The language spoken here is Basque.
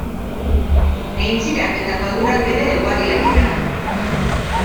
Aintzirak eta padurak ere ugariak dira.